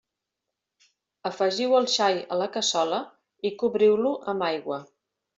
Afegiu el xai a la cassola i cobriu-lo amb aigua.